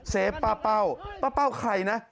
ป้าเป้าป้าเป้าใครนะ